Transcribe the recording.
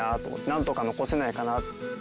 なんとか残せないかな。